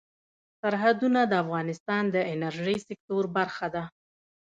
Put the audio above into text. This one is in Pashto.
سرحدونه د افغانستان د انرژۍ سکتور برخه ده.